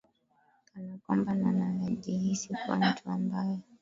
kana kwamba na na najihisi kuwa mtu ambaye